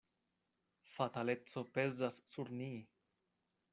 Fataleco pezas sur ni.